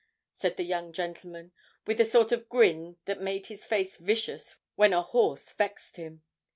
said the young gentleman, with the sort of grin that made his face vicious when a horse vexed him.